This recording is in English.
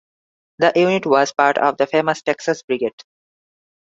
The unit was part of the famous Texas Brigade.